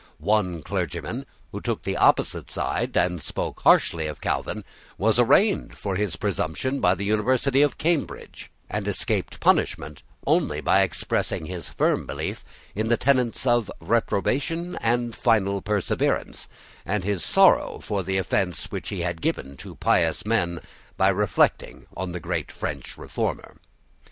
One clergyman, who took the opposite side, and spoke harshly of Calvin, was arraigned for his presumption by the University of Cambridge, and escaped punishment only by expressing his firm belief in the tenets of reprobation and final perseverance, and his sorrow for the offence which he had given to pious men by reflecting on the great French reformer.